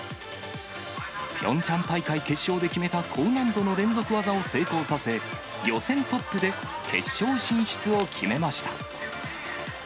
ピョンチャン大会決勝で決めた高難度の連続技を成功させ、予選トップで決勝進出を決めました。